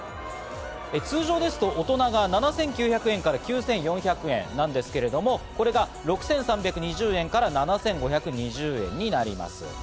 通常ですと大人が７９００円から９４００円なんですけれども、これが６３２０円から７５２０円になります。